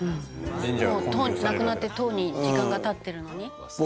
「もう亡くなってとうに時間が経ってるのに」